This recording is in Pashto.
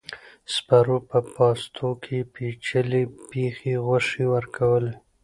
سپرو په پاستو کې پيچلې پخې غوښې ورکولې.